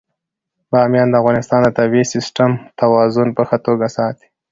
بامیان د افغانستان د طبعي سیسټم توازن په ښه توګه ساتي.